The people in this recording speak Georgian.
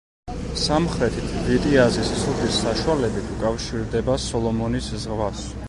სამხრეთით, ვიტიაზის სრუტის საშუალებით უკავშირდება სოლომონის ზღვას.